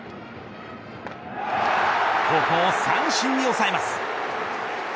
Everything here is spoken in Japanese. ここを三振に抑えます。